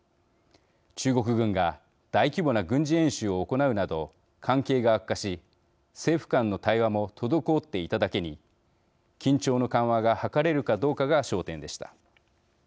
中国軍が大規模な軍事演習を行うなど関係が悪化し政府間の対話も滞っていただけに緊張の緩和が図れるかどうかが焦点でした。